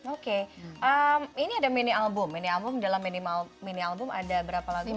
oke ini ada mini album mini album dalam mini album ada berapa lagunya